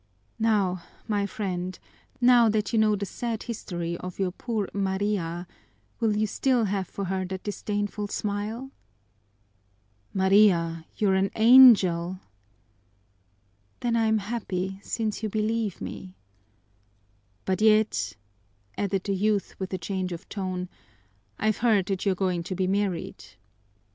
Now, my friend, now that you know the sad history of your poor Maria, will you still have for her that disdainful smile?" "Maria, you are an angel!" "Then I am happy, since you believe me " "But yet," added the youth with a change of tone, "I've heard that you are going to be married."